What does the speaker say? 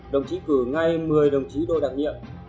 đồng chí cử ngay một mươi đồng chí đồ đặc niệm